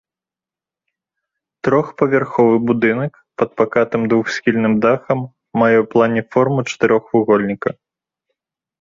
Трохпавярховы будынак пад пакатым двухсхільным дахам мае ў плане форму чатырохвугольніка.